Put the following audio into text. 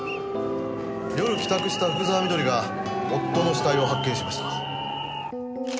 夜帰宅した福沢美登里が夫の死体を発見しました。